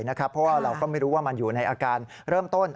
เพราะว่าเราก็ไม่รู้ว่ามันอยู่ในอาการเริ่มต้น